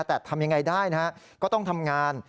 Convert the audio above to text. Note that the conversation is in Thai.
แต่ทำยังไงได้นะฮะก็ต้องทำงาน